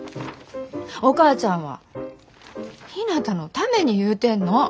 お母ちゃんはひなたのために言うてんの。